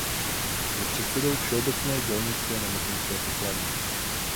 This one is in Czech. Byl předsedou všeobecné dělnické nemocenské pokladny.